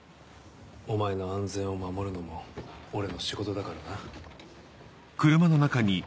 お前の安全を守るのも俺の仕事だからな。